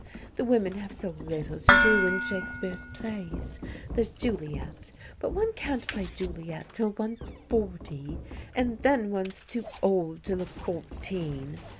The women have so little to do in Shakespeare's plays. There's Juliet; but one can't play Juliet till one's forty, and then one's too old to look fourteen.